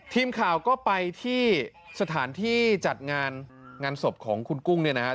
ทีมข่าวก็ไปที่สถานที่จัดงานงานศพของคุณกุ้งเนี่ยนะครับ